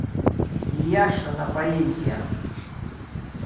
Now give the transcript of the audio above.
Ииашан, апоезиа.